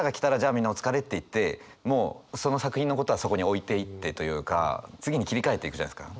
みんなお疲れって言ってもうその作品のことはそこに置いていってというか次に切り替えていくじゃないですか。